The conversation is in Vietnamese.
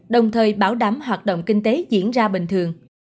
đồng thời bảo đảm hoạt động kinh tế diễn ra bình thường